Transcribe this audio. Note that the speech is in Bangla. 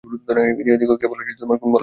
ইহাদিগকে কেবল গুণ বলা যাইতে পারে।